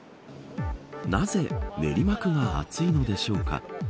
なぜ練馬区が暑いのでしょうか。